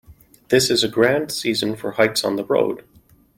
This is a grand season for hikes on the road.